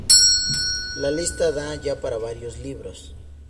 la lista da ya para varios libros